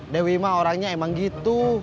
dewi mah orangnya emang gitu